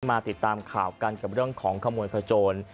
มาติดตามข่าวกันกับเรื่องของขโมยขโจร